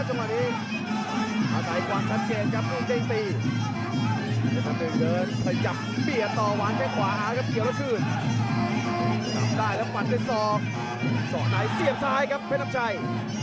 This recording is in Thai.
สองในเสียบซ้ายครับเพชรน้ำชัย